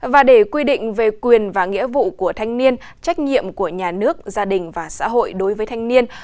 và để quy định về quyền và nghĩa vụ của thanh niên trách nhiệm của nhà nước gia đình và xã hội đối với thanh niên